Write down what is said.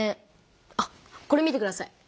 あっこれ見てください。